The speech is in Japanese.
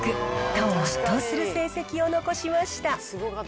他を圧倒する成績を残しました。